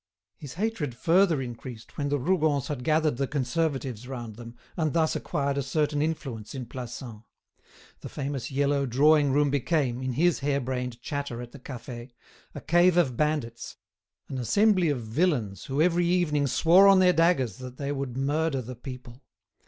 His hatred further increased when the Rougons had gathered the Conservatives round them, and thus acquired a certain influence in Plassans. The famous yellow drawing room became, in his hare brained chatter at the cafe, a cave of bandits, an assembly of villains who every evening swore on their daggers that they would murder the people.